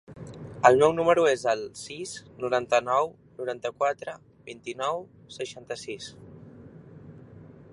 El meu número es el sis, noranta-nou, noranta-quatre, vint-i-nou, seixanta-sis.